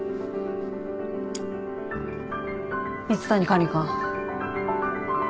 蜜谷管理官。